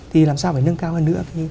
thì làm sao phải nâng cao hơn nữa